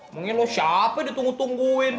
mungkin lo siapa ditunggu tungguin